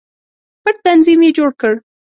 پټ تنظیم یې جوړ کړ.